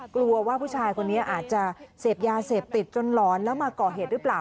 กลัวว่าผู้ชายคนนี้อาจจะเสพยาเสพติดจนหลอนแล้วมาก่อเหตุหรือเปล่า